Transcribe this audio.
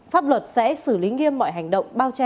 pháp luật sẽ xử lý nghiêm mọi hành động bao che